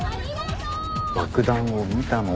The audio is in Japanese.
爆弾を見たのか？